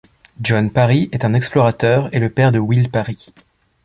John Parry est un explorateur et le père de Will Parry.